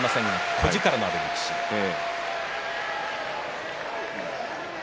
小力のある力士です。